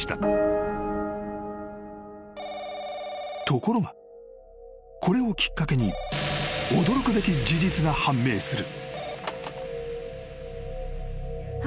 ☎［ところがこれをきっかけに驚くべき事実が判明する］